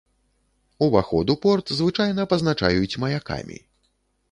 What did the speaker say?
Уваход у порт звычайна пазначаюць маякамі.